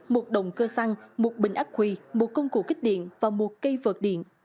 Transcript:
một đồng cơ xăng một bình ác quỳ một công cụ kích điện và một cây vợt điện